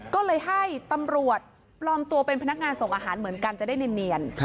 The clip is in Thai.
ก็เลยให้ตำรวจปลอมตัวเป็นพนักงานส่งอาหารเหมือนกันจะได้เนียน